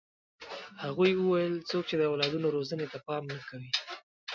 هغوی وویل څوک چې د اولادونو روزنې ته پام نه کوي.